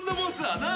なあ。